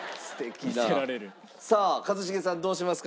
さあ一茂さんどうしますか？